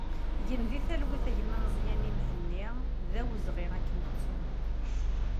Gen di talwit a gma Mezyani Mhenni, d awezɣi ad k-nettu!